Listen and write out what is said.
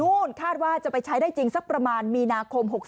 คาดว่าจะไปใช้ได้จริงสักประมาณมีนาคม๖๒